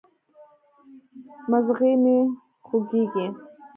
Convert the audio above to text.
مځغی مي خوږیږي